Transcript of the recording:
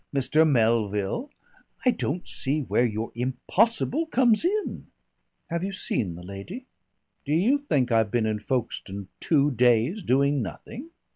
"Mr. Melville, I don't see where your 'impossible' comes in." "Have you seen the lady?" "Do you think I've been in Folkestone two days doing nothing?"